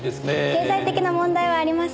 経済的な問題はありません。